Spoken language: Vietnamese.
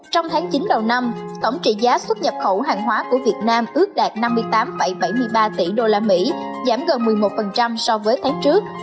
trong tháng chín đầu năm tổng trị giá xuất nhập khẩu hàng hóa của việt nam ước đạt năm mươi tám bảy mươi ba tỷ usd giảm gần một mươi một so với tháng trước